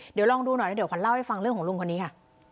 เดี๋ยวลองดูหน่อยแล้วเดี๋ยวขวัญเล่าให้ฟังเรื่องของลุงคนนี้ค่ะ